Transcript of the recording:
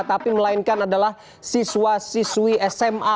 tapi melainkan adalah siswa siswi sma